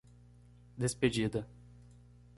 Despedida